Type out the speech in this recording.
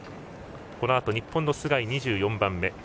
このあと日本の須貝、２４番目。